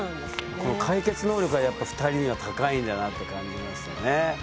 この解決能力はやっぱ２人には高いんだなって感じましたね。